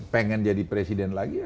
pengen jadi presiden lagi